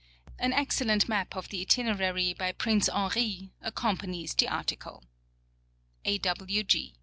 An excellent map of the itinerary, by Prince Henri, accom panies the article. A.